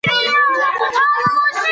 موږ د سولې او ورورولۍ غوښتونکي یو.